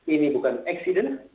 ini bukan kejadian